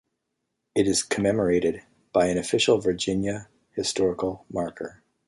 It is commemorated by an official Virginia historical marker.